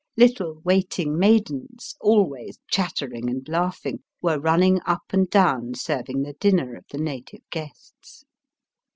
Little waiting maidens, always chattering and laughing, were running up and down serving the dinner of the native guests.